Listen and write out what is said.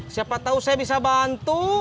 siapa tahu saya bisa bantu